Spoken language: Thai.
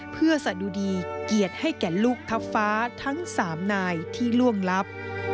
เพื่อสะดุดีเกียรติให้แก่ลูกทัพฟ้าทั้ง๓นายที่ล่วงลับ